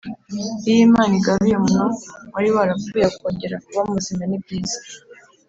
Iyo Imana igaruye umuntu wari warapfuye akongera kuba muzima nibyiza